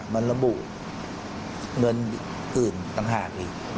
มันระบุเงินอื่นต่างหากเลย